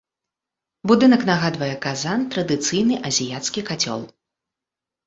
Будынак нагадвае казан, традыцыйны азіяцкі кацёл.